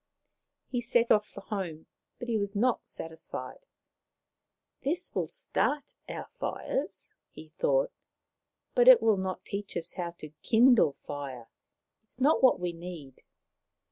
He set off for home, but he was not satisfied. " This will start our fires," he thought, " but it will not teach us how to kindle fire. It is not what we need."